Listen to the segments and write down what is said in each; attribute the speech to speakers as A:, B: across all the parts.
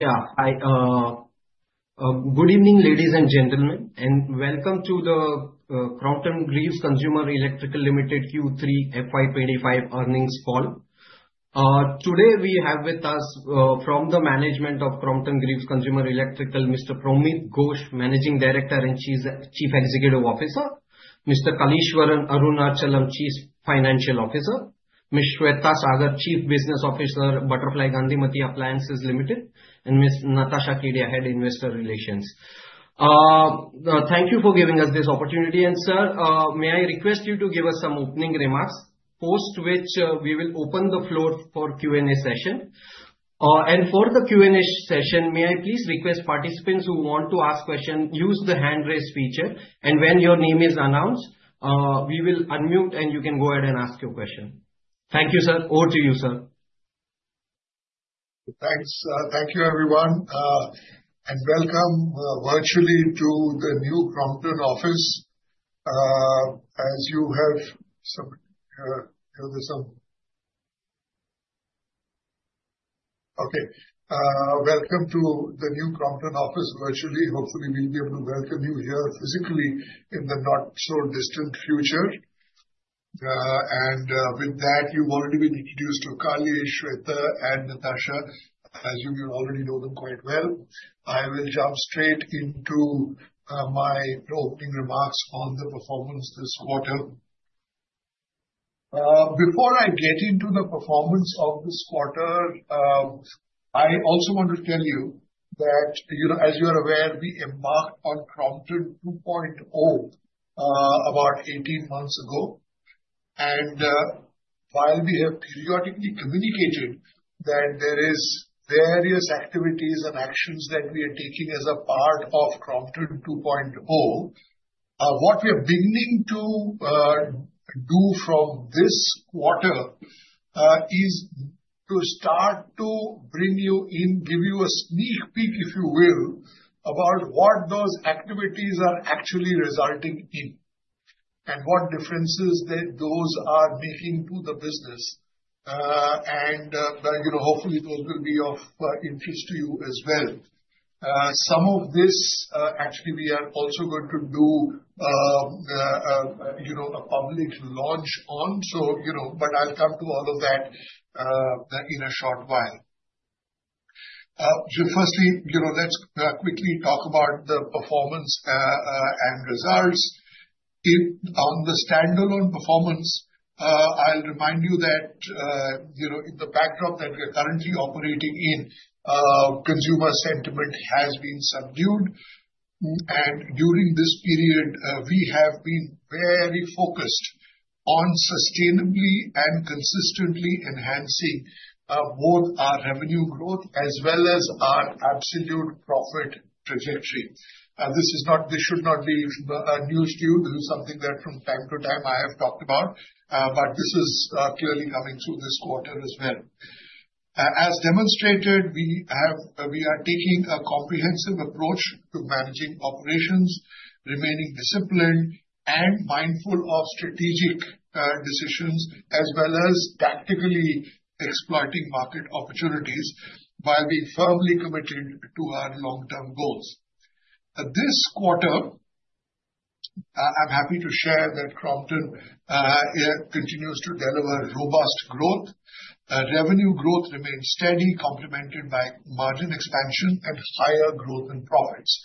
A: Yeah, good evening, ladies and gentlemen, and welcome to the Crompton Greaves Consumer Electricals Limited Q3 FY 2025 earnings call. Today we have with us, from the management of Crompton Greaves Consumer Electricals, Mr. Promeet Ghosh, Managing Director and Chief Executive Officer; Mr. Kaleeswaran Arunachalam, Chief Financial Officer; Ms. Swetha Sagar, Chief Business Officer, Butterfly Gandhimathi Appliances Limited; and Ms. Natasha Kedia, Head Investor Relations. Thank you for giving us this opportunity. And, sir, may I request you to give us some opening remarks post which we will open the floor for Q&A session, and for the Q&A session, may I please request participants who want to ask questions, use the hand raise feature, and when your name is announced, we will unmute and you can go ahead and ask your question. Thank you, sir. Over to you, sir.
B: Thanks. Thank you, everyone, and welcome virtually to the new Crompton office. Hopefully, we'll be able to welcome you here physically in the not-so-distant future. With that, you've already been introduced to Kalee, Swetha, and Natasha. As you already know them quite well, I will jump straight into my opening remarks on the performance this quarter. Before I get into the performance of this quarter, I also want to tell you that, you know, as you're aware, we embarked on Crompton 2.0 about 18 months ago. While we have periodically communicated that there are various activities and actions that we are taking as a part of Crompton 2.0, what we are beginning to do from this quarter is to start to bring you in, give you a sneak peek, if you will, about what those activities are actually resulting in and what differences those are making to the business. You know, hopefully, those will be of interest to you as well. Some of this, actually, we are also going to do a public launch on, so you know, but I'll come to all of that in a short while. Firstly, you know, let's quickly talk about the performance and results. On the standalone performance, I'll remind you that you know, in the backdrop that we are currently operating in, consumer sentiment has been subdued. And during this period, we have been very focused on sustainably and consistently enhancing both our revenue growth as well as our absolute profit trajectory. This is not. This should not be news to you. This is something that from time to time I have talked about, but this is clearly coming through this quarter as well. As demonstrated, we are taking a comprehensive approach to managing operations, remaining disciplined and mindful of strategic decisions as well as tactically exploiting market opportunities while being firmly committed to our long-term goals. This quarter, I'm happy to share that Crompton continues to deliver robust growth. Revenue growth remains steady, complemented by margin expansion and higher growth in profits.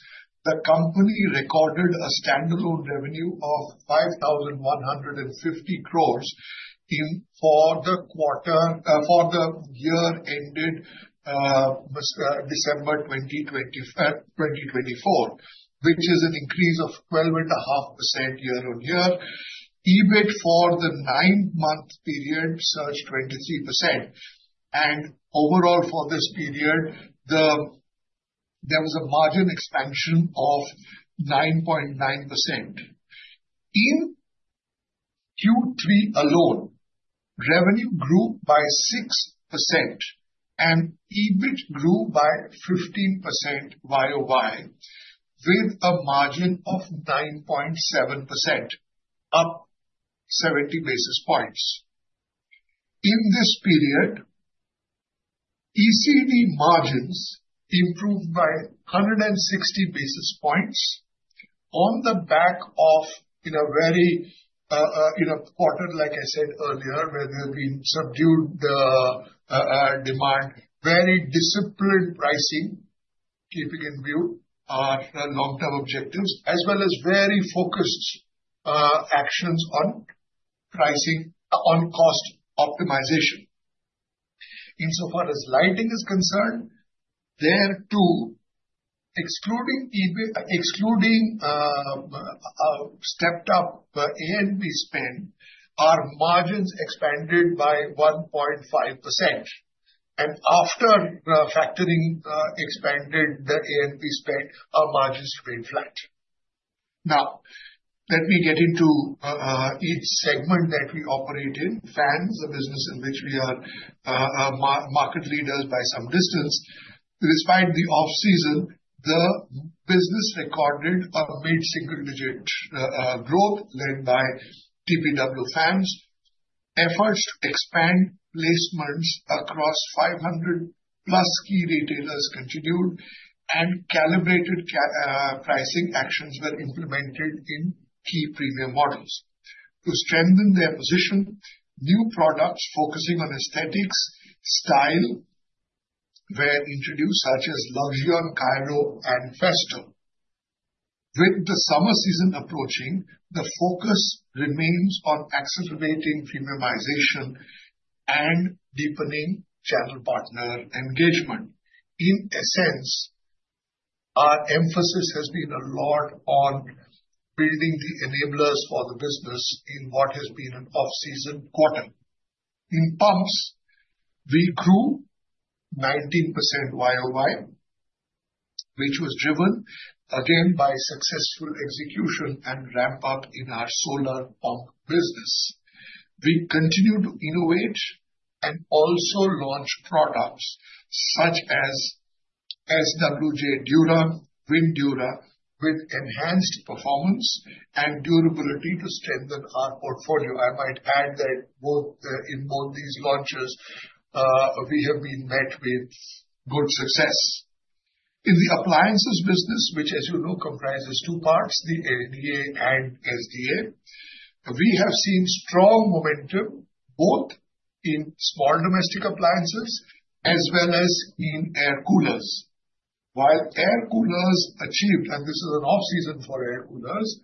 B: The company recorded a standalone revenue of 5,150 crore for the quarter, for the year ended December 2024, which is an increase of 12.5% year-on-year. EBIT for the nine-month period surged 23%, and overall, for this period, there was a margin expansion of 9.9%. In Q3 alone, revenue grew by 6%, and EBIT grew by 15% YoY, with a margin of 9.7%, up 70 basis points. In this period, ECD margins improved by 160 basis points on the back of, you know, very, you know, quarter, like I said earlier, where there have been subdued demand, very disciplined pricing, keeping in view our long-term objectives, as well as very focused actions on pricing, on cost optimization. Insofar as lighting is concerned, there too, excluding EBIT, stepped up A&P spend, our margins expanded by 1.5%. And after factoring expanded the A&P spend, our margins remained flat. Now, let me get into each segment that we operate in. Fans, a business in which we are market leaders by some distance. Despite the off-season, the business recorded a mid-single-digit growth led by TPW fans. Efforts to expand placements across 500-plus key retailers continued, and calibrated pricing actions were implemented in key premium models. To strengthen their position, new products focusing on aesthetics, style were introduced, such as Luxian Cairo, and Festo. With the summer season approaching, the focus remains on accelerating premiumization and deepening channel partner engagement. In essence, our emphasis has been a lot on building the enablers for the business in what has been an off-season quarter. In pumps, we grew 19% YoY, which was driven again by successful execution and ramp-up in our solar pump business. We continue to innovate and also launch products such as SWJ Dura, Win Dura, with enhanced performance and durability to strengthen our portfolio. I might add that both, in both these launches, we have been met with good success. In the appliances business, which, as you know, comprises two parts, the LDA and SDA, we have seen strong momentum both in small domestic appliances as well as in air coolers. While air coolers achieved, and this is an off-season for air coolers,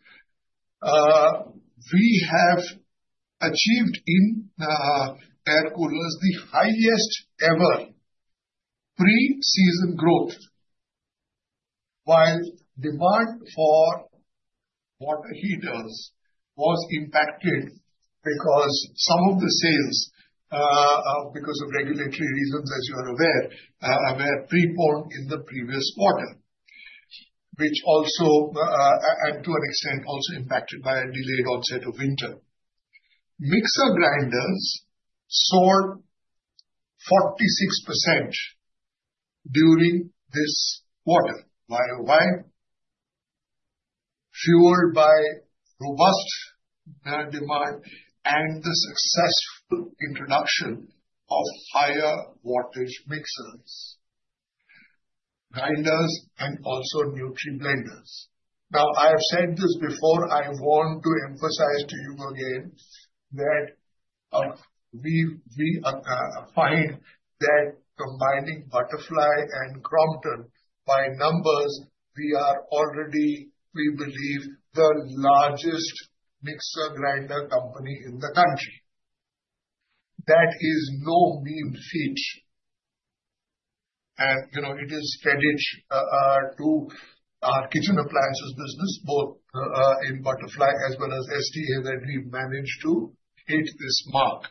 B: we have achieved in air coolers the highest-ever pre-season growth, while demand for water heaters was impacted because some of the sales, because of regulatory reasons, as you are aware, were preponed in the previous quarter, which also, and to an extent also impacted by a delayed onset of winter. Mixer grinders soared 46% during this quarter YoY, fueled by robust demand and the successful introduction of higher-wattage mixers, grinders, and also Nutri blenders. Now, I have said this before. I want to emphasize to you again that we find that combining Butterfly and Crompton by numbers, we are already, we believe, the largest mixer grinder company in the country. That is no mean feat. You know, it is credit to our kitchen appliances business, both in Butterfly as well as SDA, that we've managed to hit this mark,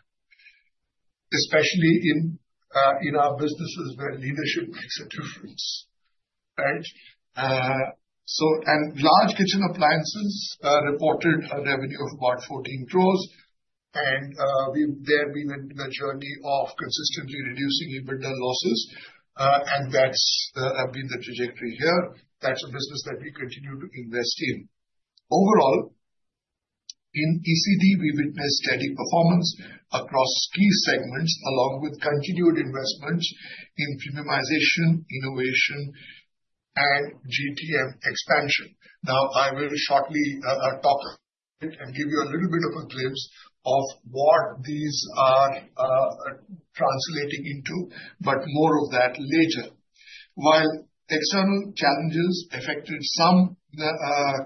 B: especially in our businesses where leadership makes a difference, right? Large kitchen appliances reported a revenue of about 14 crore. We—they have been in the journey of consistently reducing EBITDA losses, and that's been the trajectory here. That's a business that we continue to invest in. Overall, in ECD, we witnessed steady performance across key segments along with continued investments in premiumization, innovation, and GTM expansion. Now, I will shortly talk and give you a little bit of a glimpse of what these are translating into, but more of that later. While external challenges affected some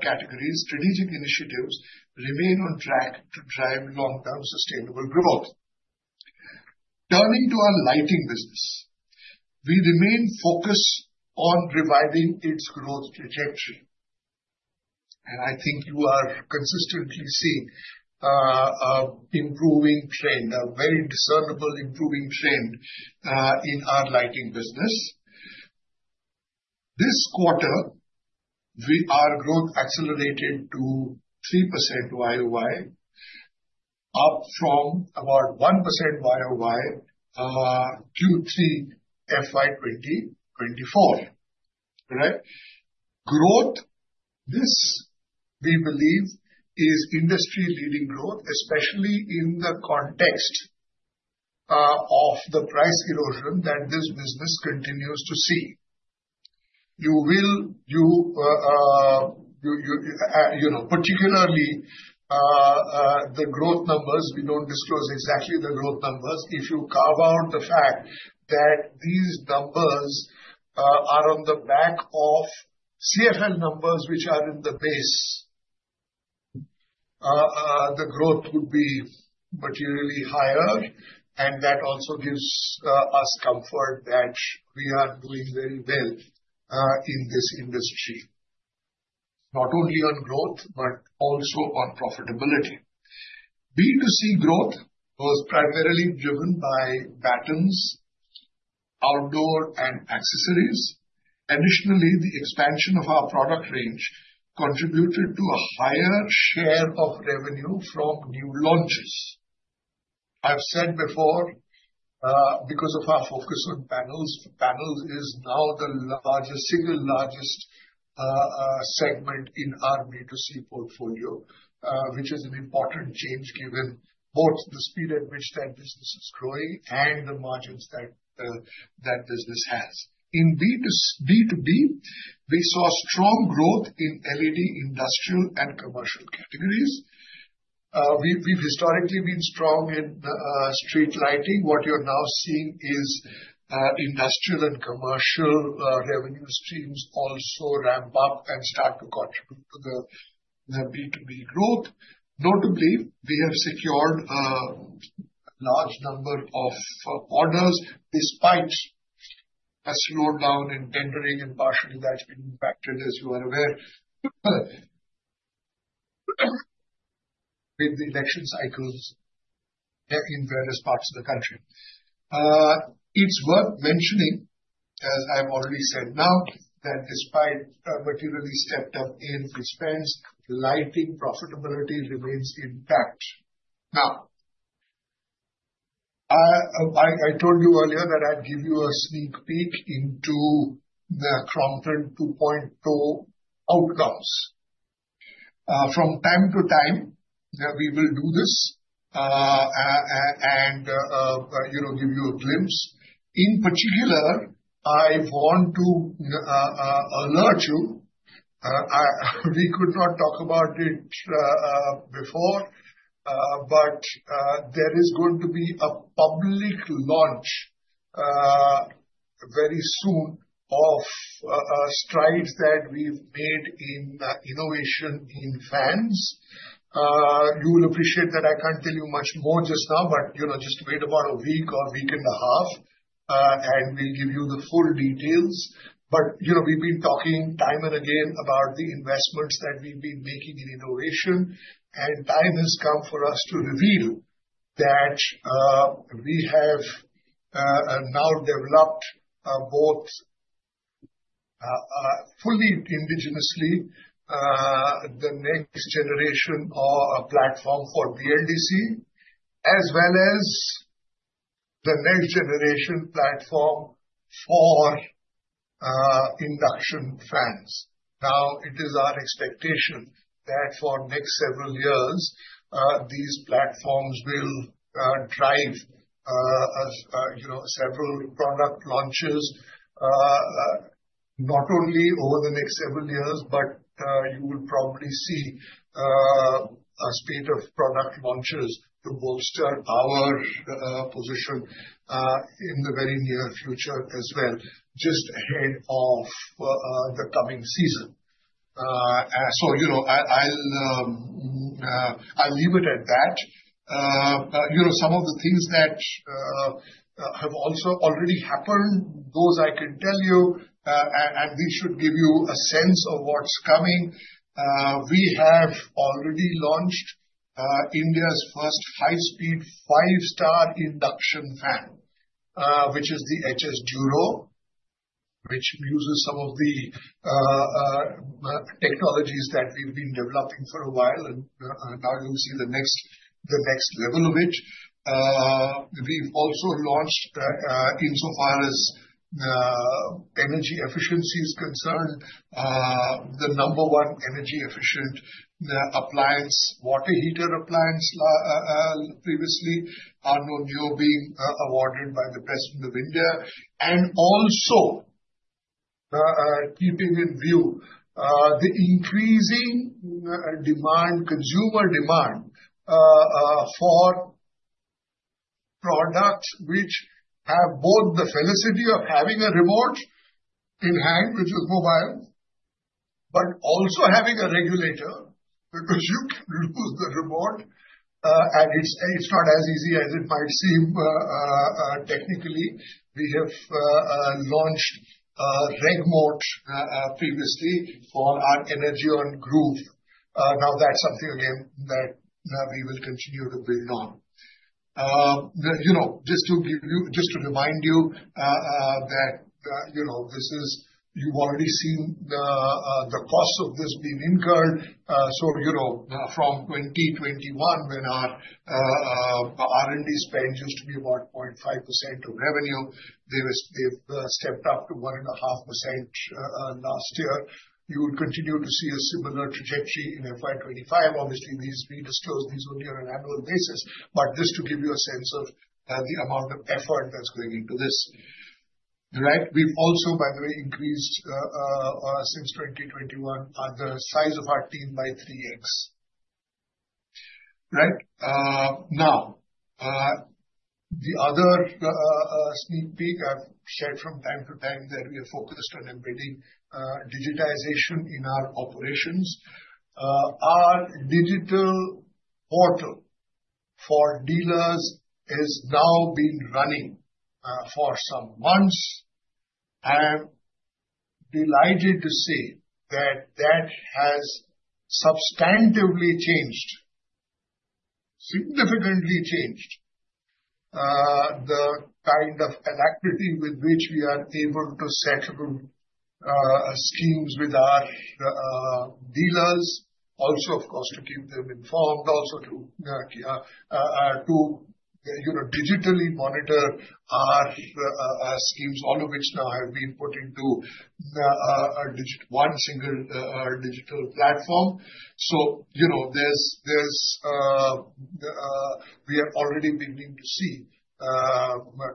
B: categories, strategic initiatives remain on track to drive long-term sustainable growth. Turning to our lighting business, we remain focused on revising its growth trajectory. I think you are consistently seeing improving trend, a very discernible improving trend, in our lighting business. This quarter, our growth accelerated to 3% YoY, up from about 1% YoY Q3 FY 2024. All right? Growth, this we believe, is industry-leading growth, especially in the context of the price erosion that this business continues to see. You know, particularly, the growth numbers—we don't disclose exactly the growth numbers—if you carve out the fact that these numbers are on the back of CFL numbers, which are in the base, the growth would be materially higher. And that also gives us comfort that we are doing very well in this industry, not only on growth but also on profitability. B2C growth was primarily driven by battens, outdoor, and accessories. Additionally, the expansion of our product range contributed to a higher share of revenue from new launches. I've said before, because of our focus on panels, panels is now the single largest segment in our B2C portfolio, which is an important change given both the speed at which that business is growing and the margins that business has. In B2B, we saw strong growth in LED industrial and commercial categories. We've historically been strong in street lighting. What you're now seeing is industrial and commercial revenue streams also ramp up and start to contribute to the B2B growth. Notably, we have secured a large number of orders despite a slowdown in tendering and partially that's been impacted, as you are aware, with the election cycles in various parts of the country. It's worth mentioning, as I've already said now, that despite materially stepped-up expenses, lighting profitability remains intact. Now, I told you earlier that I'd give you a sneak peek into the Crompton 2.0 outcomes. From time to time, we will do this, and, you know, give you a glimpse. In particular, I want to alert you. We could not talk about it before, but there is going to be a public launch very soon of strides that we've made in innovation in fans. You will appreciate that I can't tell you much more just now, but you know, just wait about a week or a week and a half, and we'll give you the full details, but you know, we've been talking time and again about the investments that we've been making in innovation, and time has come for us to reveal that we have now developed both fully indigenously the next generation or a platform for BLDC, as well as the next-generation platform for induction fans. Now, it is our expectation that for the next several years, these platforms will drive you know, several product launches, not only over the next several years, but you will probably see a spate of product launches to bolster our position in the very near future as well, just ahead of the coming season, so you know, I'll leave it at that. You know, some of the things that have also already happened, those I can tell you, and, and we should give you a sense of what's coming. We have already launched India's first high-speed five-star induction fan, which is the HS Duro, which uses some of the technologies that we've been developing for a while. And now you'll see the next, the next level of it. We've also launched, insofar as energy efficiency is concerned, the number one energy-efficient appliance, water heater appliance, previously, Arno Neo being awarded by the best in the winter. And also, keeping in view the increasing demand, consumer demand, for products which have both the facility of having a remote in hand, which is mobile, but also having a regulator because you can lose the remote. And it's, it's not as easy as it might seem, technically. We have launched RegMote previously for our Energion Groove. Now that's something again that we will continue to build on. You know, just to give you, just to remind you, that, you know, this is, you've already seen the cost of this being incurred. So, you know, from 2021, when our R&D spend used to be about 0.5% of revenue, they've stepped up to 1.5% last year. You will continue to see a similar trajectory in FY 2025. Obviously, these we disclose only on an annual basis, but just to give you a sense of the amount of effort that's going into this. Right? We've also, by the way, increased since 2021 the size of our team by 3x. Right? Now, the other sneak peek I've shared from time to time that we have focused on embedding digitization in our operations. Our digital portal for dealers is now running for some months. I'm delighted to say that that has substantively changed, significantly changed, the kind of efficiency with which we are able to settle schemes with our dealers. Also, of course, to keep them informed, also to, to, you know, digitally monitor our schemes, all of which now have been put into a digital one single digital platform. So, you know, there's, there's, we are already beginning to see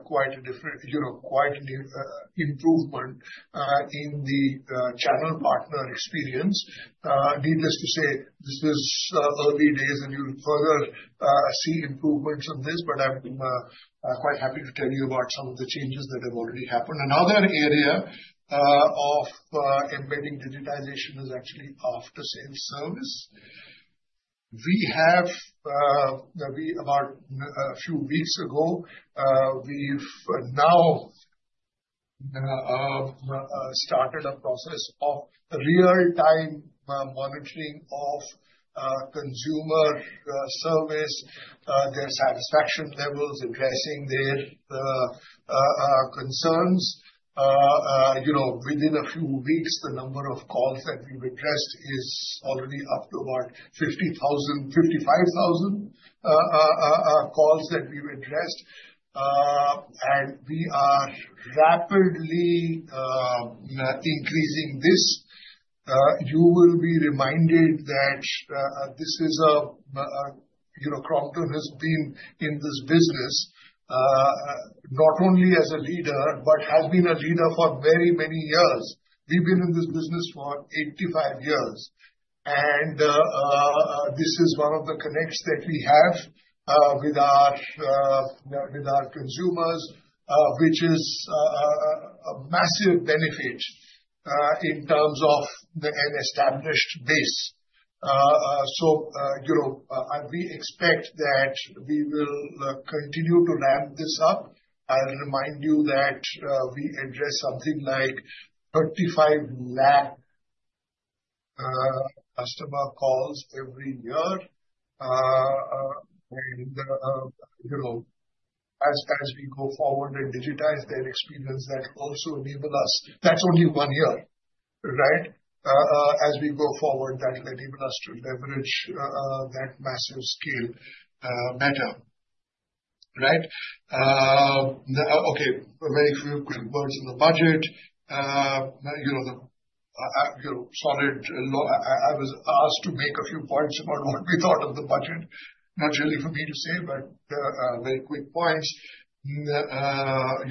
B: quite a different, you know, quite an improvement in the channel partner experience. Needless to say, this is early days, and you'll further see improvements on this. But I'm quite happy to tell you about some of the changes that have already happened. Another area of embedding digitization is actually after-sales service. We have about a few weeks ago, we've now started a process of real-time monitoring of consumer service, their satisfaction levels, addressing their concerns. You know, within a few weeks, the number of calls that we've addressed is already up to about 50,000-55,000 calls that we've addressed. We are rapidly increasing this. You will be reminded that this is, you know, Crompton has been in this business not only as a leader, but has been a leader for very many years. We've been in this business for 85 years. This is one of the connects that we have with our consumers, which is a massive benefit in terms of an established base, so you know, we expect that we will continue to ramp this up. I'll remind you that we address something like 35 lakh customer calls every year. You know, as we go forward and digitize that experience, that also enables us. That's only one year, right? As we go forward, that will enable us to leverage that massive scale matter, right? Okay, very few quick words on the budget. You know, the, you know. So, all in all I was asked to make a few points about what we thought of the budget, not really for me to say, but very quick points. You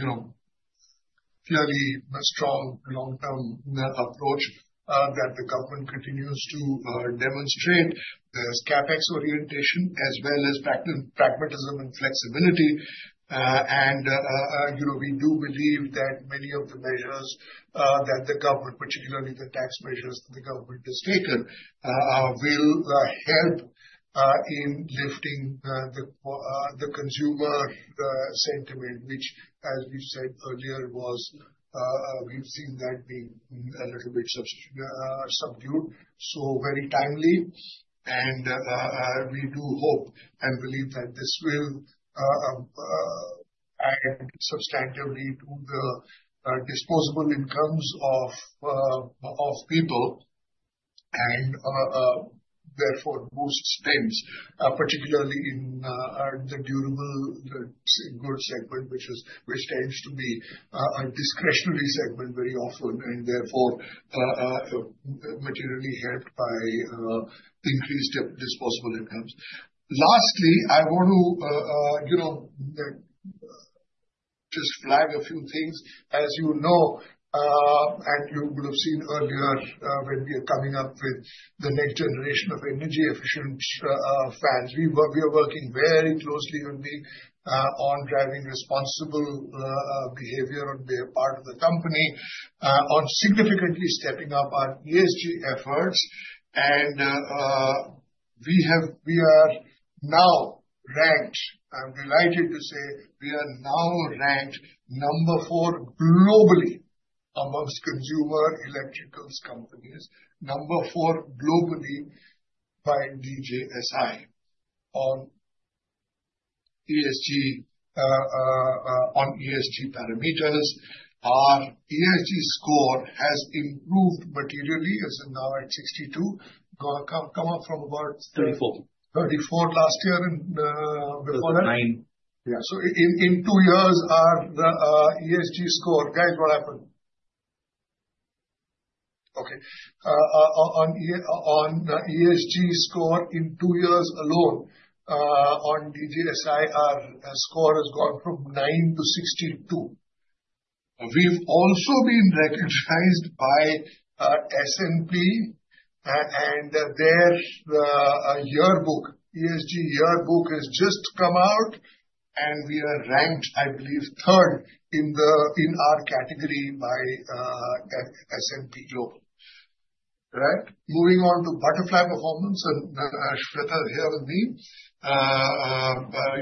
B: know, clearly strong long-term approach that the government continues to demonstrate. There's CapEx orientation as well as pragmatism and flexibility, and you know, we do believe that many of the measures that the government, particularly the tax measures the government has taken, will help in lifting the consumer sentiment, which, as we've said earlier, we've seen that being a little bit subdued. So very timely. We do hope and believe that this will add substantively to the disposable incomes of people and therefore boost spends, particularly in the durables goods segment, which tends to be a discretionary segment very often. Therefore, it is materially helped by increased disposable incomes. Lastly, I want to, you know, just flag a few things. As you know, and you will have seen earlier, when we are coming up with the next generation of energy-efficient fans, we are working very closely on driving responsible behavior on the part of the company on significantly stepping up our ESG efforts. We are now ranked. I'm delighted to say, we are now ranked number four globally amongst consumer electricals companies, number four globally by DJSI on ESG parameters. Our ESG score has improved materially. It's now at 62. Come up from about?
C: 34.
B: 34 last year and, before that?
C: Nine. Yeah.
B: So in two years, our ESG score, guys, what happened? Okay. On ESG score in two years alone, on DJSI, our score has gone from nine to 62. We've also been recognized by S&P and their yearbook. ESG Yearbook has just come out, and we are ranked, I believe, third in our category by S&P Global. Right. Moving on to Butterfly performance and Swetha here with me.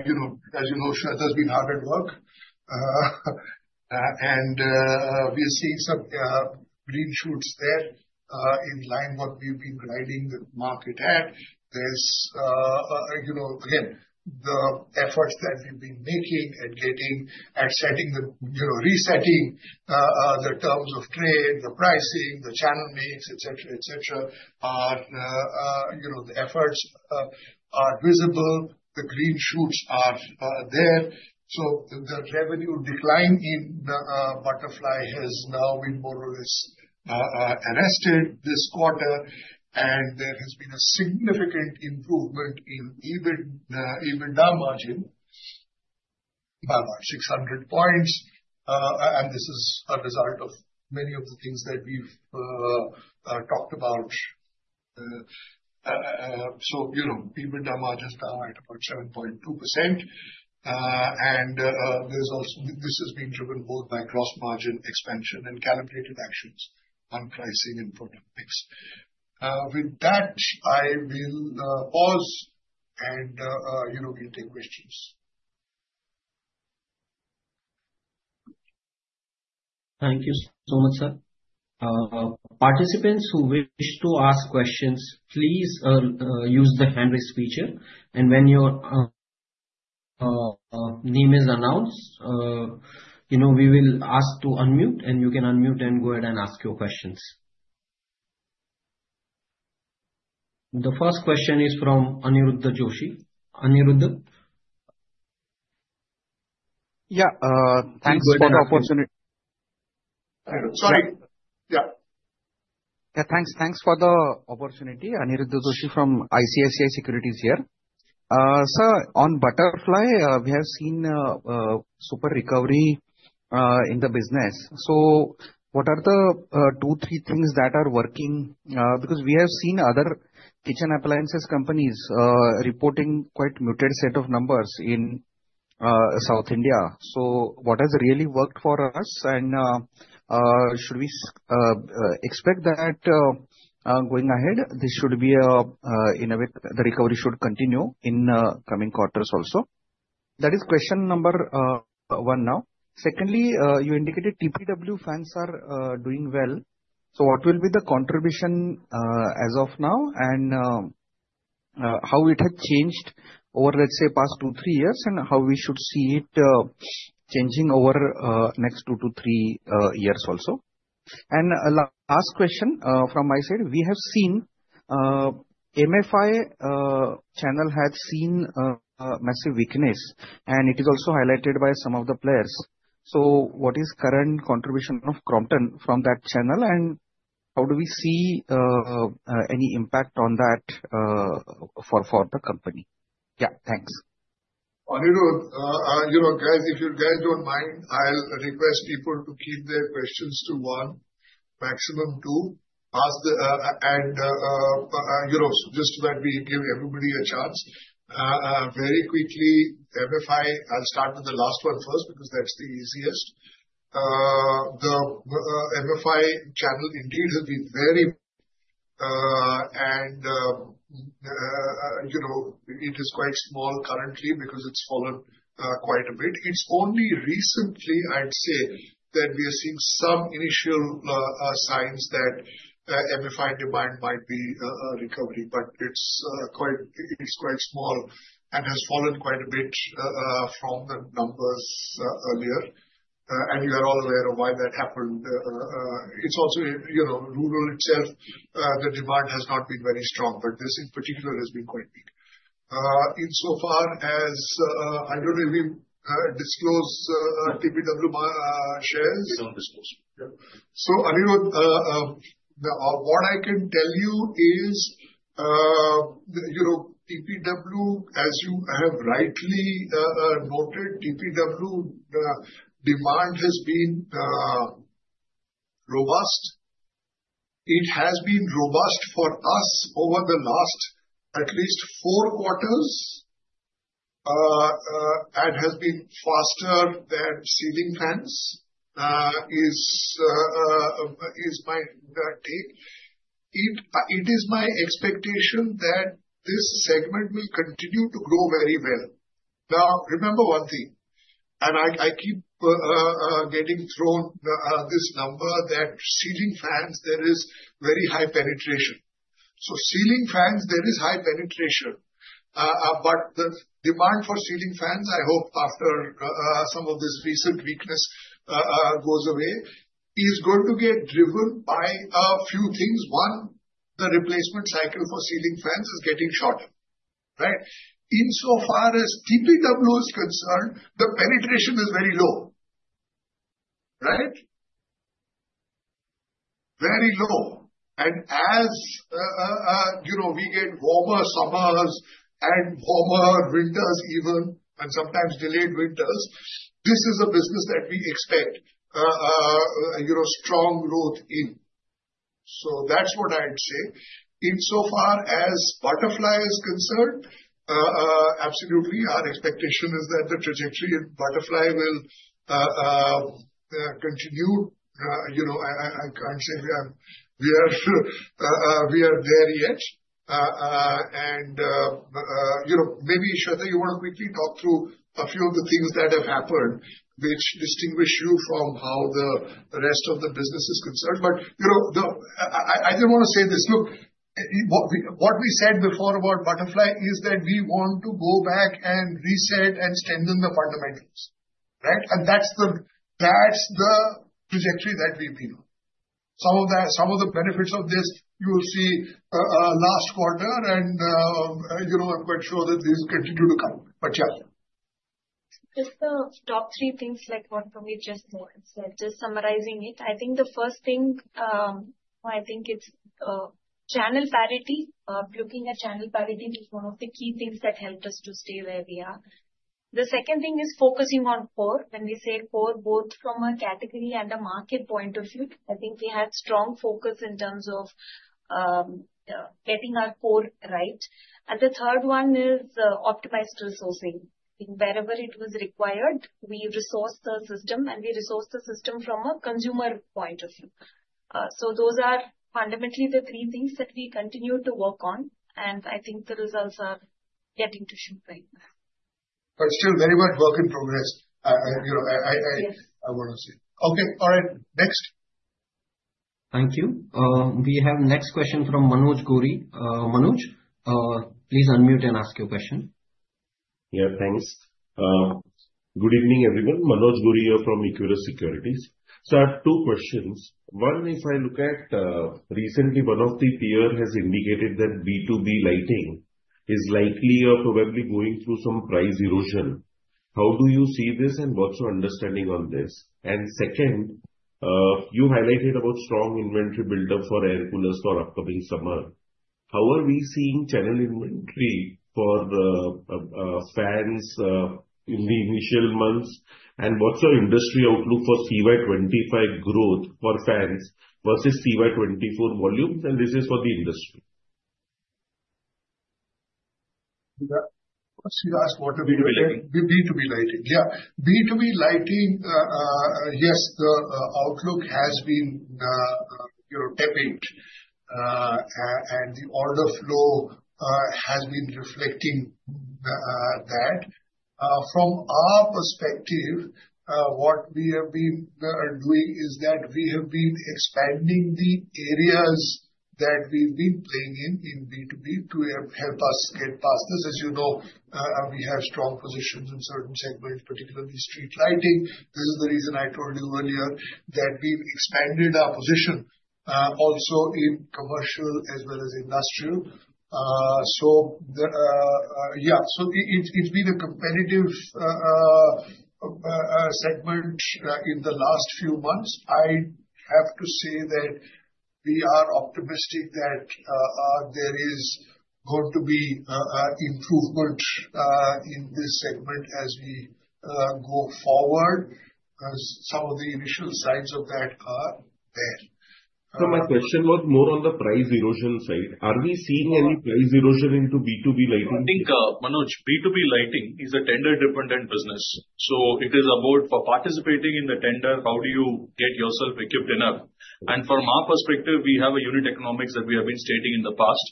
B: You know, as you know, Swetha has been hard at work. And we are seeing some green shoots there, in line with what we've been guiding the market at. There's, you know, again, the efforts that we've been making and getting at setting the, you know, resetting the terms of trade, the pricing, the channel norms, et cetera, et cetera. You know, the efforts are visible. The green shoots are there. So, the revenue decline in the Butterfly has now been more or less arrested this quarter, and there has been a significant improvement in EBIT, EBITDA margin by about 600 points, and this is a result of many of the things that we've talked about. So, you know, EBITDA margin is down at about 7.2%, and there's also. This has been driven both by gross margin expansion and calibrated actions on pricing and product mix. With that, I will pause and, you know, we'll take questions.
A: Thank you so much, sir. Participants who wish to ask questions, please use the hand raise feature. And when your name is announced, you know, we will ask to unmute and you can unmute and go ahead and ask your questions. The first question is from Aniruddha Joshi. Aniruddha.
D: Yeah. Thanks for the opportunity.
A: Sorry.
B: Yeah.
D: Yeah. Thanks. Thanks for the opportunity. Aniruddha Joshi from ICICI Securities here. Sir, on Butterfly, we have seen super recovery in the business. So what are the two, three things that are working, because we have seen other kitchen appliances companies reporting quite muted set of numbers in South India. So what has really worked for us? And should we expect that, going ahead, this should be, in a way, the recovery should continue in coming quarters also. That is question number one now. Secondly, you indicated TPW fans are doing well. So what will be the contribution as of now and how it has changed over, let's say, past two, three years and how we should see it changing over next two, three years also. Last question from my side, we have seen the MFI channel had seen massive weakness and it is also highlighted by some of the players. So what is the current contribution of Crompton from that channel and how do we see any impact on that for the company? Yeah. Thanks.
B: Aniruddha, you know, guys, if you guys don't mind, I'll request people to keep their questions to one, maximum two, and you know, just so that we give everybody a chance. Very quickly, MFI. I'll start with the last one first because that's the easiest. The MFI channel indeed has been very, and you know, it is quite small currently because it's fallen quite a bit. It's only recently, I'd say, that we are seeing some initial signs that MFI demand might be a recovery, but it's quite, it's quite small and has fallen quite a bit from the numbers earlier, and you are all aware of why that happened. It's also, you know, rural itself, the demand has not been very strong, but this in particular has been quite weak. Insofar as, I don't know if we disclose TPW shares.
C: We don't disclose.
B: Yeah. So Aniruddha, what I can tell you is, you know, TPW, as you have rightly noted, TPW demand has been robust. It has been robust for us over the last at least four quarters, and has been faster than ceiling fans, is, is my take. It is my expectation that this segment will continue to grow very well. Now, remember one thing, and I keep getting thrown this number that ceiling fans, there is very high penetration. So ceiling fans, there is high penetration. But the demand for ceiling fans, I hope after some of this recent weakness goes away, is going to get driven by a few things. One, the replacement cycle for ceiling fans is getting shorter, right? Insofar as TPW is concerned, the penetration is very low, right? Very low. And as you know, we get warmer summers and warmer winters even, and sometimes delayed winters, this is a business that we expect, you know, strong growth in. So that's what I'd say. Insofar as Butterfly is concerned, absolutely, our expectation is that the trajectory in Butterfly will continue. You know, I can't say we are there yet. And, you know, maybe Swetha, you want to quickly talk through a few of the things that have happened, which distinguish you from how the rest of the business is concerned. But you know, the, I didn't want to say this. Look, what we said before about butterfly is that we want to go back and reset and strengthen the fundamentals, right? And that's the trajectory that we've been on. Some of that, some of the benefits of this, you will see, last quarter. And, you know, I'm quite sure that these continue to come. But yeah.
E: Just the top three things, like what Promeet just said, just summarizing it. I think the first thing, I think it's, channel parity, looking at channel parity is one of the key things that helped us to stay where we are. The second thing is focusing on core. When we say core, both from a category and a market point of view, I think we had strong focus in terms of getting our core right. And the third one is optimized resourcing. I think wherever it was required, we resourced the system and we resourced the system from a consumer point of view. So those are fundamentally the three things that we continue to work on. And I think the results are getting to show right now.
B: But still very much work in progress. I, you know, I want to say. Okay. All right. Next.
A: Thank you. We have next question from Manoj Gori. Manoj, please unmute and ask your question.
F: Yeah. Thanks. Good evening, everyone. Manoj Gori here from Equirus Securities. Sir, two questions. One, if I look at recently, one of the peers has indicated that B2B lighting is likely or probably going through some price erosion. How do you see this and what's your understanding on this? And second, you highlighted about strong inventory buildup for air coolers for upcoming summer. How are we seeing channel inventory for fans in the initial months? And what's your industry outlook for CY 2025 growth for fans versus CY 2024 volumes? And this is for the industry.
B: Yeah. What's the last quarter?
F: B2B lighting.
B: B2B lighting. Yeah. B2B lighting, yes, the outlook has been, you know, tepid, and the order flow has been reflecting that. From our perspective, what we have been doing is that we have been expanding the areas that we've been playing in, in B2B to help us get past this. As you know, we have strong positions in certain segments, particularly street lighting. This is the reason I told you earlier that we've expanded our position, also in commercial as well as industrial. So the, yeah. So it's been a competitive segment in the last few months. I have to say that we are optimistic that there is going to be improvement in this segment as we go forward. Some of the initial signs of that are there.
F: So my question was more on the price erosion side. Are we seeing any price erosion into B2B lighting?
C: I think, Manoj, B2B lighting is a tender-dependent business. So it is about, for participating in the tender, how do you get yourself equipped enough? And from our perspective, we have a unit economics that we have been stating in the past.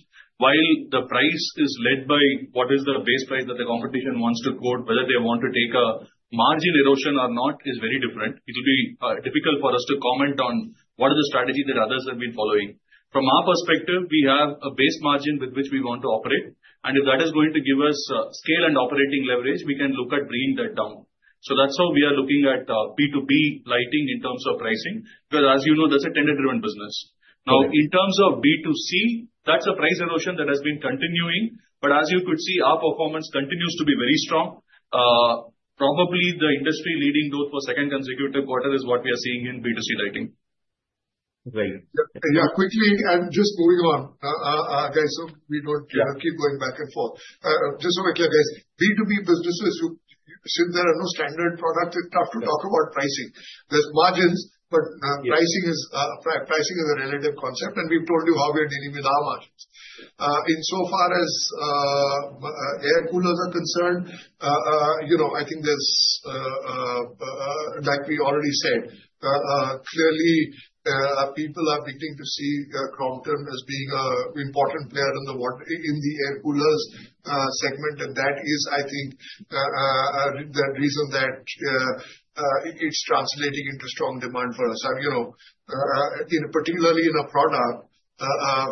C: While the price is led by what is the base price that the competition wants to quote, whether they want to take a margin erosion or not is very different. It will be difficult for us to comment on what are the strategies that others have been following. From our perspective, we have a base margin with which we want to operate. And if that is going to give us scale and operating leverage, we can look at bringing that down. So that's how we are looking at B2B lighting in terms of pricing. Because as you know, that's a tender-driven business. Now, in terms of B2C, that's a price erosion that has been continuing. But as you could see, our performance continues to be very strong. Probably the industry leading growth for second consecutive quarter is what we are seeing in B2C lighting.
F: Right.
B: Yeah. Quickly, I'm just moving on. Guys, so we don't keep going back and forth. Just so we're clear, guys, B2B businesses, you should, there are no standard products. It's tough to talk about pricing. There's margins, but pricing is a relative concept. And we've told you how we're dealing with our margins. Insofar as air coolers are concerned, you know, I think there's, like we already said, clearly, people are beginning to see Crompton as being an important player in the air coolers segment. And that is, I think, the reason that it's translating into strong demand for us. So, you know, particularly in a product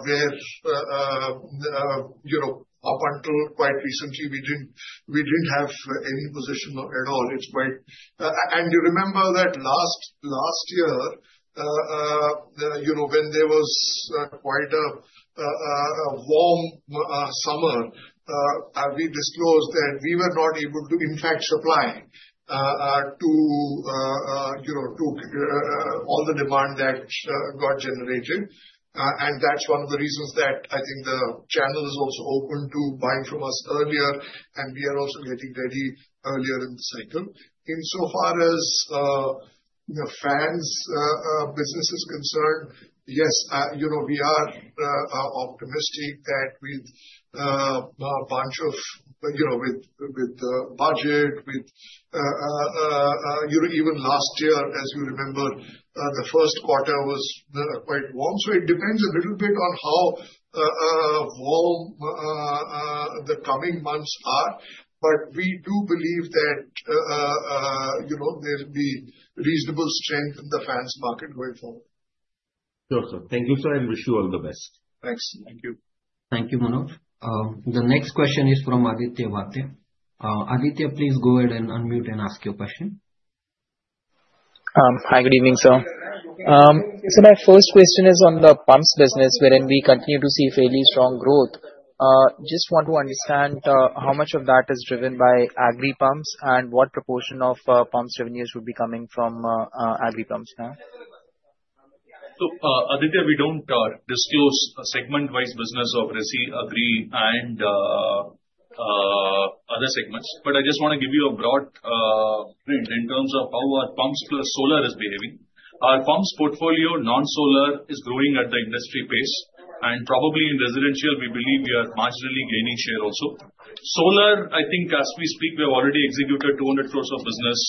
B: where, you know, up until quite recently, we didn't have any position at all. It's quite, and you remember that last year, you know, when there was quite a warm summer, we disclosed that we were not able to, in fact, supply to, you know, to all the demand that got generated. That's one of the reasons that I think the channel is also open to buying from us earlier. We are also getting ready earlier in the cycle. Insofar as, you know, fans business is concerned, yes, you know, we are optimistic that with a bunch of, you know, with the budget, with, you know, even last year, as you remember, the first quarter was quite warm. So it depends a little bit on how warm the coming months are. But we do believe that, you know, there'll be reasonable strength in the fans market going forward.
F: Sure, sir. Thank you, sir. I wish you all the best.
B: Thanks.
C: Thank you.
A: Thank you, Manoj. The next question is from Aditya Bhartia. Aditya, please go ahead and unmute and ask your question.
G: Hi, good evening, sir. So my first question is on the pumps business, wherein we continue to see fairly strong growth. Just want to understand how much of that is driven by agri pumps and what proportion of pumps revenues would be coming from agri pumps now?
C: So, Aditya, we don't disclose a segment-wise business of our agri and other segments. But I just want to give you a broad print in terms of how our pumps plus solar is behaving. Our pumps portfolio, non-solar, is growing at the industry pace. And probably in residential, we believe we are marginally gaining share also. Solar, I think as we speak, we have already executed 200 crore of business,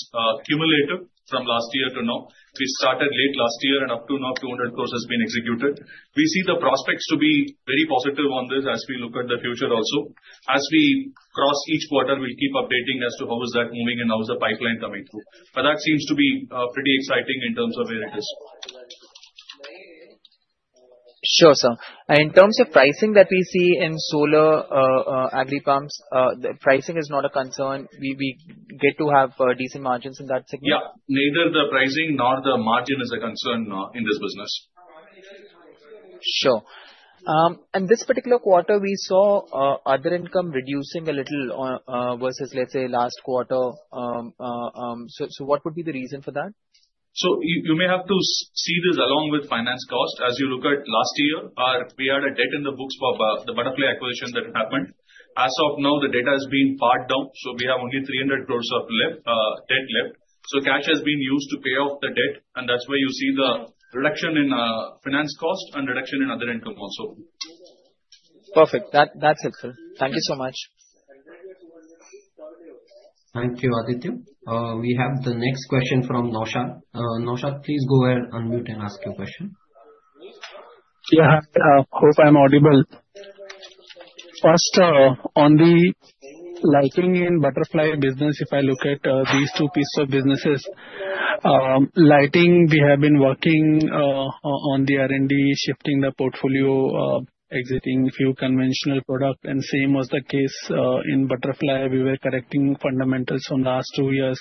C: cumulative from last year to now. We started late last year and up to now 200 crore has been executed. We see the prospects to be very positive on this as we look at the future also. As we cross each quarter, we'll keep updating as to how is that moving and how is the pipeline coming through. But that seems to be pretty exciting in terms of where it is.
G: Sure, sir. And in terms of pricing that we see in solar agri pumps, the pricing is not a concern. We get to have decent margins in that segment?
C: Yeah. Neither the pricing nor the margin is a concern in this business.
G: Sure. And this particular quarter, we saw other income reducing a little on versus let's say last quarter, so what would be the reason for that?
C: So you may have to see this along with finance cost. As you look at last year, we had a debt in the books for the Butterfly acquisition that happened. As of now, the debt has been pared down. So we have only 300 crore of debt left. So cash has been used to pay off the debt. And that's where you see the reduction in finance cost and reduction in other income also.
G: Perfect. That's it, sir. Thank you so much.
A: Thank you, Aditya. We have the next question from Naushad. Naushad, please go ahead, unmute and ask your question. Yeah. I hope I'm audible. First, on the lighting and Butterfly business, if I look at these two pieces of businesses, lighting, we have been working on the R&D, shifting the portfolio, exiting a few conventional products. And the same was the case in Butterfly. We were correcting fundamentals from the last two years.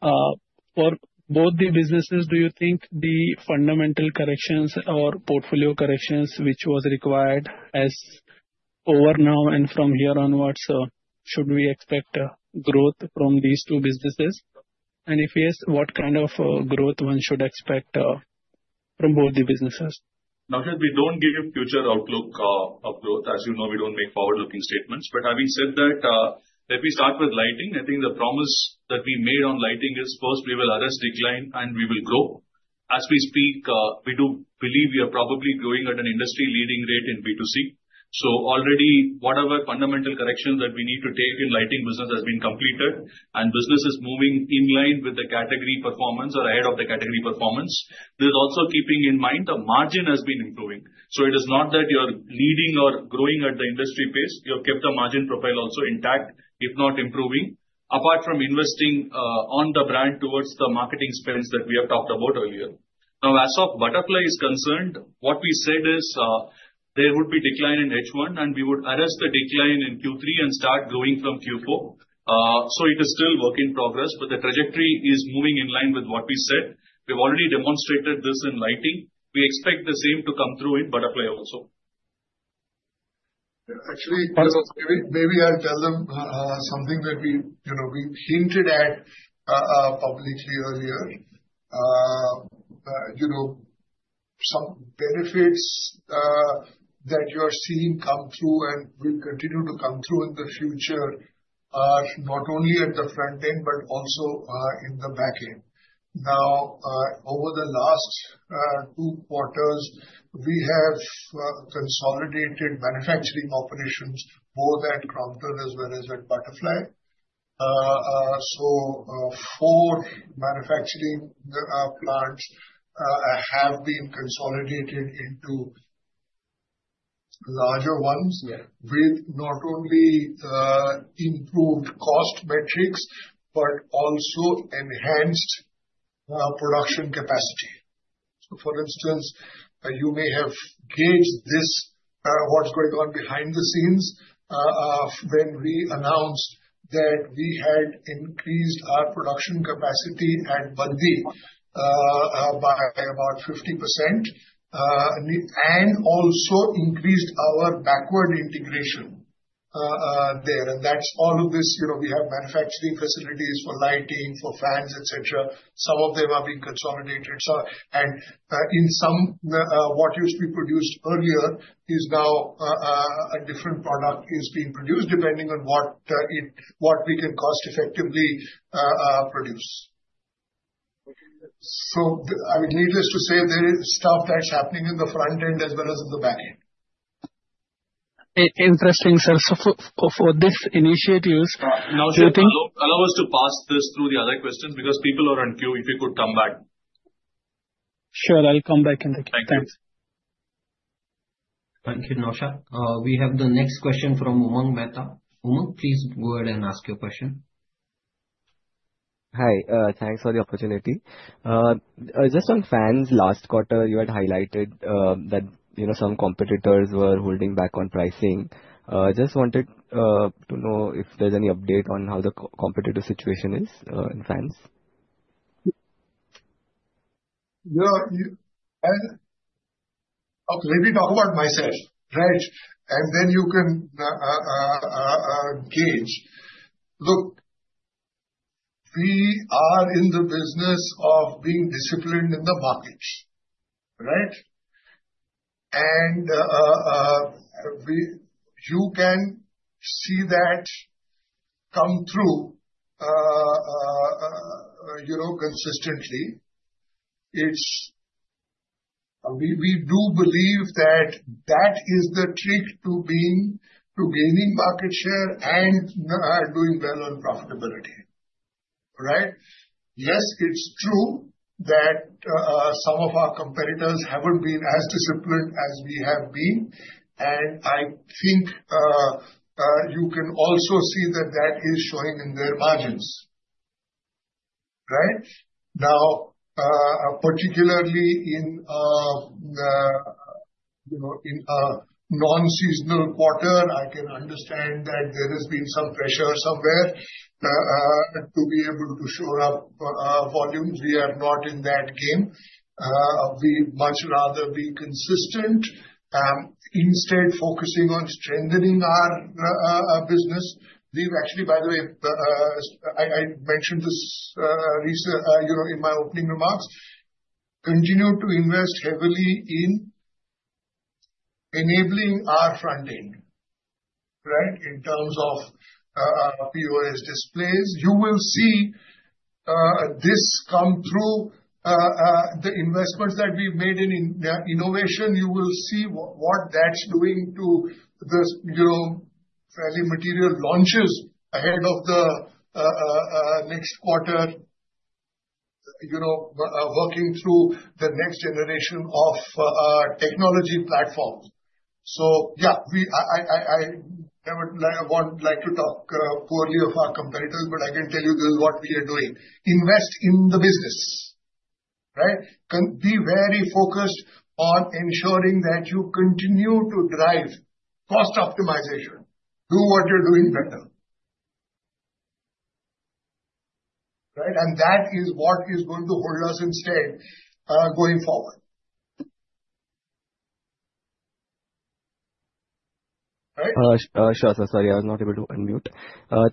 A: For both the businesses, do you think the fundamental corrections or portfolio corrections, which were required, are over now and from here onwards, should we expect growth from these two businesses? And if yes, what kind of growth one should expect, from both the businesses?
C: Now, we don't give future outlook of growth. As you know, we don't make forward-looking statements. But having said that, if we start with lighting, I think the promise that we made on lighting is first we will address decline and we will grow. As we speak, we do believe we are probably growing at an industry-leading rate in B2C. So already whatever fundamental correction that we need to take in lighting business has been completed and business is moving in line with the category performance or ahead of the category performance. This is also keeping in mind the margin has been improving. So it is not that you're leading or growing at the industry pace. You have kept the margin profile also intact, if not improving, apart from investing on the brand towards the marketing spends that we have talked about earlier. Now, as far as Butterfly is concerned, what we said is there would be decline in H1 and we would address the decline in Q3 and start growing from Q4. So it is still work in progress, but the trajectory is moving in line with what we said. We've already demonstrated this in lighting. We expect the same to come through in Butterfly also.
B: Actually, maybe I'll tell them something that we, you know, we hinted at publicly earlier. You know, some benefits that you are seeing come through and will continue to come through in the future are not only at the front end, but also in the back end. Now, over the last two quarters, we have consolidated manufacturing operations both at Crompton as well as at Butterfly. So, four manufacturing plants have been consolidated into larger ones with not only improved cost metrics, but also enhanced production capacity. So, for instance, you may have gauged this, what's going on behind the scenes, when we announced that we had increased our production capacity at Baddi by about 50%, and also increased our backward integration there. And that's all of this, you know, we have manufacturing facilities for lighting, for fans, etc. Some of them are being consolidated. So, and in some, what used to be produced earlier is now a different product is being produced depending on what we can cost-effectively produce. So, I mean, needless to say, there is stuff that's happening in the front end as well as in the back end. Interesting, sir. So, for this initiative, do you think?
C: Allow us to pass this through the other questions because people are on queue. If you could come back. Sure. I'll come back in the queue. Thanks.
A: Thank you, Naushad. We have the next question from Umang Mehta. Umang, please go ahead and ask your question.
H: Hi. Thanks for the opportunity. Just on fans, last quarter, you had highlighted that you know some competitors were holding back on pricing. Just wanted to know if there's any update on how the competitive situation is in fans.
B: Yeah. And maybe talk about [market shares], right? And then you can gauge. Look, we are in the business of being disciplined in the markets, right? And you can see that come through you know consistently. It's. We do believe that that is the trick to gaining market share and doing well on profitability, right? Yes, it's true that some of our competitors haven't been as disciplined as we have been. And I think you can also see that that is showing in their margins, right? Now, particularly in, you know, in a non-seasonal quarter, I can understand that there has been some pressure somewhere to be able to shore up volumes. We are not in that game. We much rather be consistent, instead focusing on strengthening our business. We've actually, by the way, I mentioned this recent, you know, in my opening remarks, continue to invest heavily in enabling our front end, right? In terms of POS displays, you will see this come through, the investments that we've made in innovation. You will see what that's doing to the, you know, fairly material launches ahead of the next quarter, you know, working through the next generation of technology platforms. So, yeah, I never want like to talk poorly of our competitors, but I can tell you this is what we are doing. Invest in the business, right? Be very focused on ensuring that you continue to drive cost optimization, do what you're doing better, right? And that is what is going to hold us instead, going forward, right?
H: Sure, sir. Sorry, I was not able to unmute.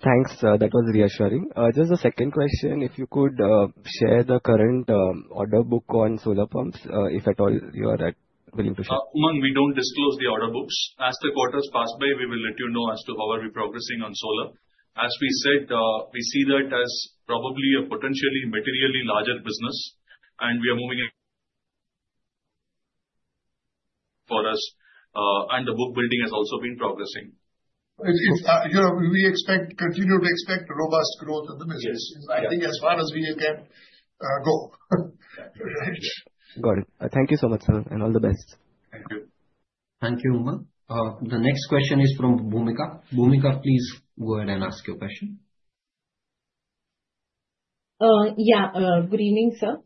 H: Thanks. That was reassuring. Just the second question, if you could share the current order book on solar pumps, if at all you are willing to share.
C: Umang, we don't disclose the order books. As the quarters pass by, we will let you know as to how are we progressing on solar. As we said, we see that as probably a potentially materially larger business, and we are moving for us. And the book building has also been progressing.
B: It's, you know, we expect to continue to expect robust growth in the business. I think as far as we can go.
H: Got it. Thank you so much, sir, and all the best.
C: Thank you.
A: Thank you, Umang. The next question is from Bhoomika. Bhoomika, please go ahead and ask your question.
I: Yeah, good evening, sir.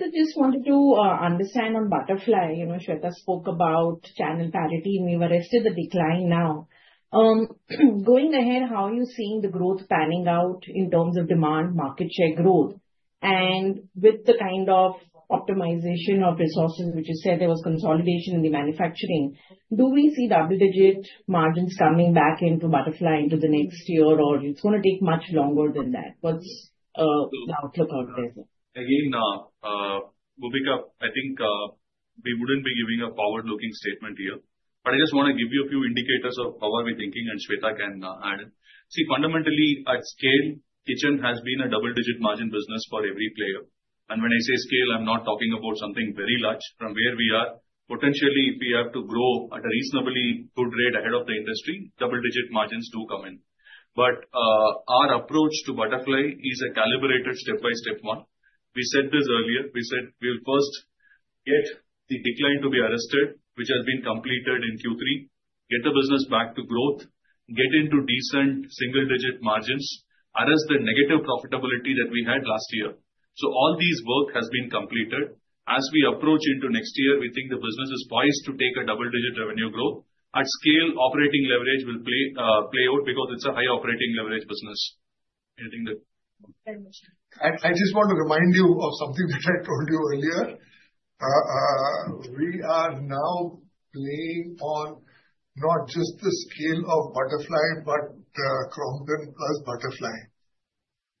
I: Sir, just wanted to understand on Butterfly, you know, Swetha spoke about channel parity and we've arrested the decline now. Going ahead, how are you seeing the growth panning out in terms of demand, market share growth? And with the kind of optimization of resources, which you said there was consolidation in the manufacturing, do we see double-digit margins coming back into Butterfly into the next year, or it's going to take much longer than that? What's the outlook out there?
C: Again, Bhoomika, I think, we wouldn't be giving a forward-looking statement here, but I just want to give you a few indicators of how are we thinking, and Swetha can add it. See, fundamentally, at scale, kitchen has been a double-digit margin business for every player. And when I say scale, I'm not talking about something very large. From where we are, potentially, if we have to grow at a reasonably good rate ahead of the industry, double-digit margins do come in. But, our approach to Butterfly is a calibrated step-by-step one. We said this earlier. We said we'll first get the decline to be arrested, which has been completed in Q3, get the business back to growth, get into decent single-digit margins, arrest the negative profitability that we had last year. So all this work has been completed. As we approach into next year, we think the business is poised to take a double-digit revenue growth. At scale, operating leverage will play out because it's a high operating leverage business. Anything that?
B: I just want to remind you of something that I told you earlier. We are now playing on not just the scale of Butterfly, but Crompton plus Butterfly.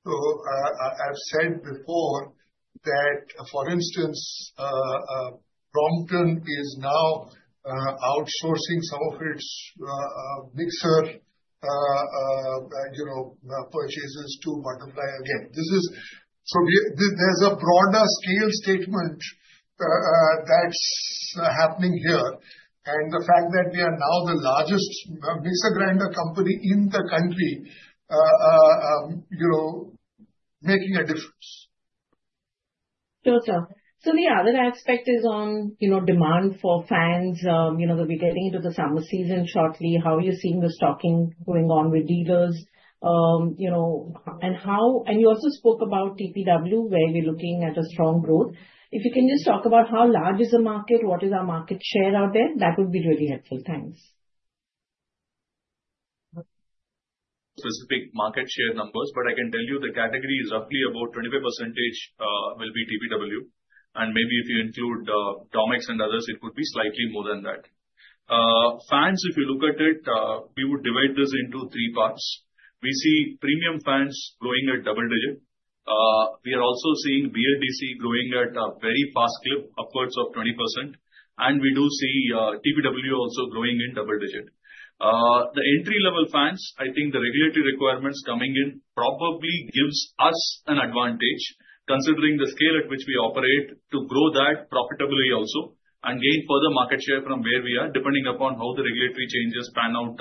B: So, I've said before that, for instance, Crompton is now outsourcing some of its mixer, you know, purchases to Butterfly again. This is so there's a broader scale statement that's happening here. And the fact that we are now the largest mixer grinder company in the country, you know, making a difference.
I: Sure, sir. So the other aspect is on, you know, demand for fans, you know, that we're getting into the summer season shortly, how you're seeing the stocking going on with dealers, you know, and how, and you also spoke about TPW where we're looking at a strong growth. If you can just talk about how large is the market, what is our market share out there, that would be really helpful. Thanks.
C: Specific market share numbers, but I can tell you the category is roughly about 25%, will be TPW. And maybe if you include, domestic and others, it would be slightly more than that. Fans, if you look at it, we would divide this into three parts. We see premium fans growing at double digit. We are also seeing BLDC growing at a very fast clip upwards of 20%. And we do see, TPW also growing in double digit. The entry-level fans, I think the regulatory requirements coming in probably gives us an advantage considering the scale at which we operate to grow that profitably also and gain further market share from where we are depending upon how the regulatory changes pan out,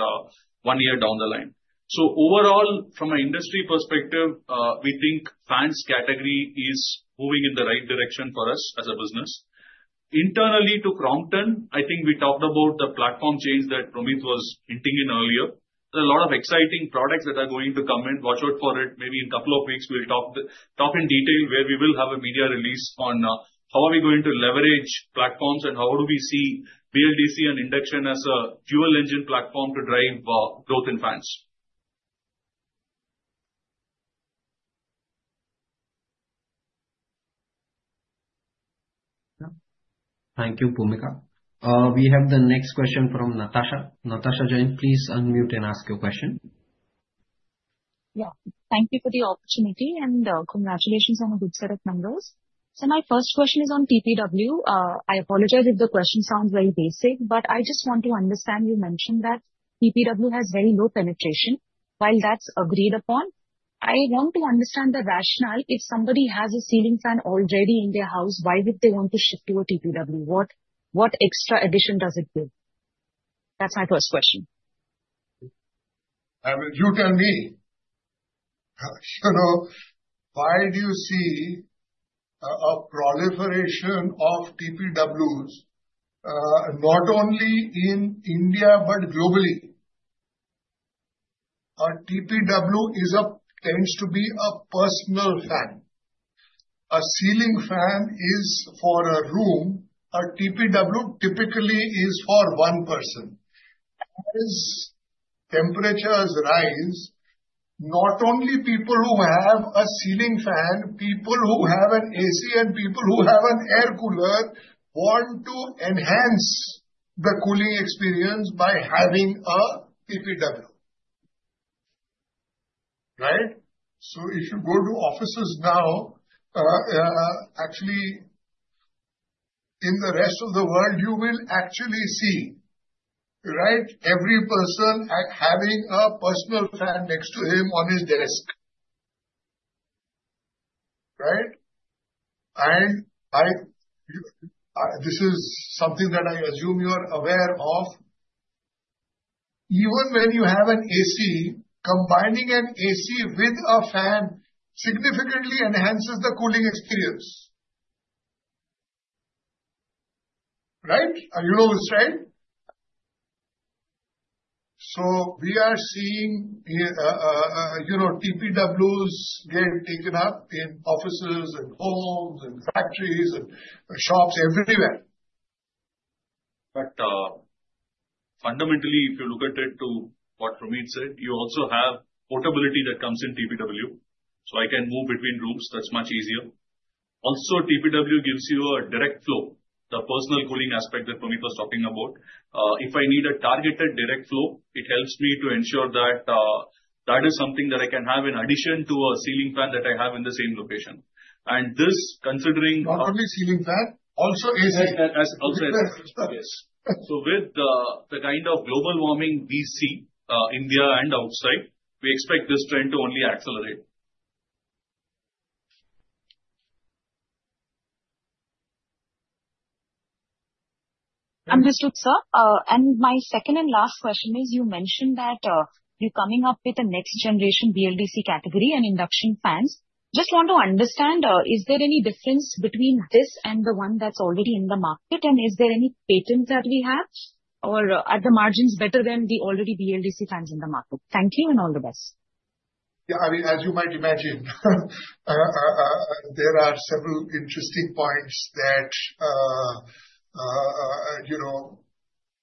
C: one year down the line. So overall, from an industry perspective, we think fans category is moving in the right direction for us as a business. Internally to Crompton, I think we talked about the platform change that Promeet was hinting at earlier. There are a lot of exciting products that are going to come in. Watch out for it. Maybe in a couple of weeks, we'll talk in detail where we will have a media release on how are we going to leverage platforms and how do we see BLDC and induction as a dual-engine platform to drive growth in fans.
A: Thank you, Bhoomika. We have the next question from Natasha. Natasha Jain. Please unmute and ask your question.
J: Yeah, thank you for the opportunity and congratulations on the good set of numbers. So my first question is on TPW. I apologize if the question sounds very basic, but I just want to understand. You mentioned that TPW has very low penetration. While that's agreed upon, I want to understand the rationale if somebody has a ceiling fan already in their house, why would they want to shift to a TPW? What, what extra addition does it give? That's my first question.
B: You tell me, you know, why do you see a proliferation of TPWs, not only in India but globally? A TPW tends to be a personal fan. A ceiling fan is for a room. A TPW typically is for one person. As temperatures rise, not only people who have a ceiling fan, people who have an AC, and people who have an air cooler want to enhance the cooling experience by having a TPW, right? If you go to offices now, actually in the rest of the world, you will actually see, right, every person having a personal fan next to him on his desk, right? I, this is something that I assume you are aware of. Even when you have an AC, combining an AC with a fan significantly enhances the cooling experience, right? You know this, right? We are seeing, you know, TPWs get taken up in offices and homes and factories and shops everywhere.
C: Fundamentally, if you look at it to what Promeet said, you also have portability that comes in TPW. I can move between rooms. That's much easier. Also, TPW gives you a direct flow, the personal cooling aspect that Promeet was talking about. If I need a targeted direct flow, it helps me to ensure that, that is something that I can have in addition to a ceiling fan that I have in the same location, and this, considering.
B: Not only ceiling fan, also AC.
C: Yes, so with the kind of global warming we see, India and outside, we expect this trend to only accelerate.
J: I'm just. Sir, and my second and last question is you mentioned that, you're coming up with a next-generation BLDC category and induction fans. Just want to understand, is there any difference between this and the one that's already in the market, and is there any patent that we have or are the margins better than the already BLDC fans in the market? Thank you and all the best.
B: Yeah, I mean, as you might imagine, there are several interesting points that, you know,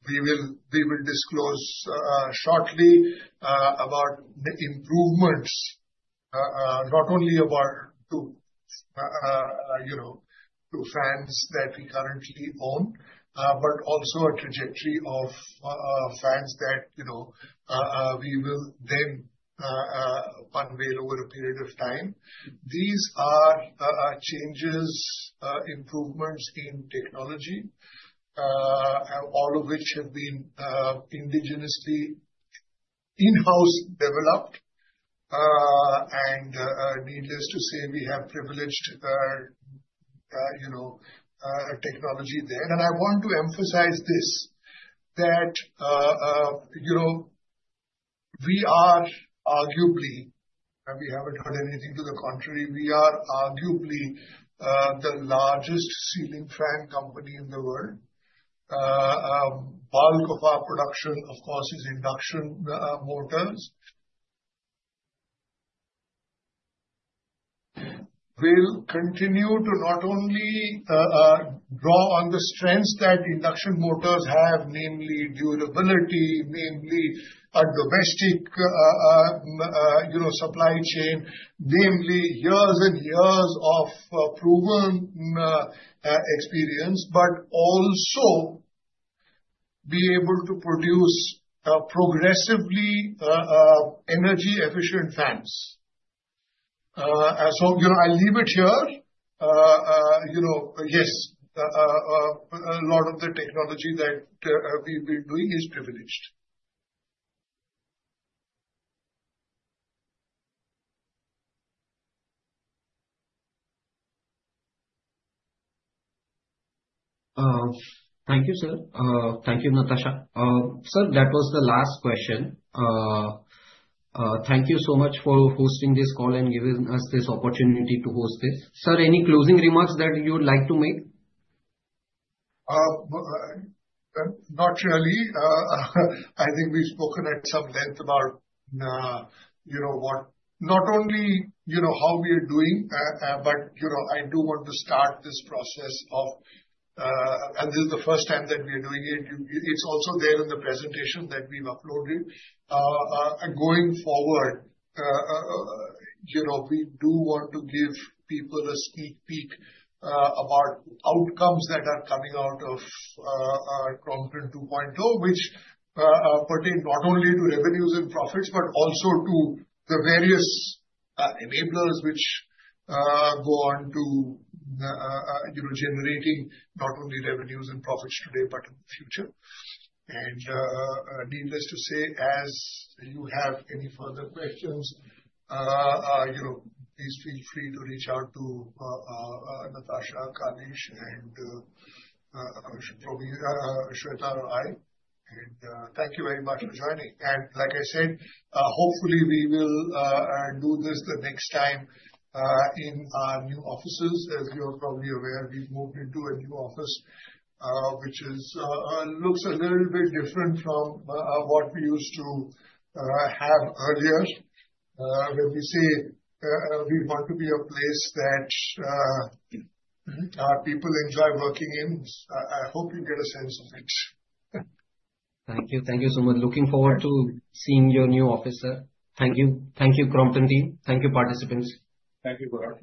B: we will disclose shortly about improvements, not only of our two, you know, fans that we currently own, but also a trajectory of fans that, you know, we will then unveil over a period of time. These are changes, improvements in technology, all of which have been indigenously in-house developed. Needless to say, we have privileged, you know, technology there. And I want to emphasize this, that, you know, we are arguably, and we haven't heard anything to the contrary, the largest ceiling fan company in the world. Bulk of our production, of course, is induction motors. We'll continue to not only draw on the strengths that induction motors have, namely durability, namely a domestic, you know, supply chain, namely years and years of proven experience, but also be able to produce progressively energy-efficient fans. You know, I'll leave it here. You know, yes, a lot of the technology that we've been doing is privileged.
A: Thank you, sir. Thank you, Natasha. Sir, that was the last question. Thank you so much for hosting this call and giving us this opportunity to host this. Sir, any closing remarks that you would like to make?
B: Not really. I think we've spoken at some length about, you know, what not only, you know, how we are doing, but, you know, I do want to start this process of, and this is the first time that we are doing it. It's also there in the presentation that we've uploaded. Going forward, you know, we do want to give people a sneak peek about outcomes that are coming out of Crompton 2.0, which pertain not only to revenues and profits, but also to the various enablers which go on to, you know, generating not only revenues and profits today, but in the future. Needless to say, as you have any further questions, you know, please feel free to reach out to Natasha, Kalees, and Swetha or I. Thank you very much for joining. Like I said, hopefully we will do this the next time in our new offices. As you're probably aware, we've moved into a new office, which looks a little bit different from what we used to have earlier. When we say we want to be a place that our people enjoy working in, I hope you get a sense of it.
A: Thank you. Thank you so much. Looking forward to seeing your new office. Thank you. Thank you, Crompton team. Thank you, participants.
C: Thank you for.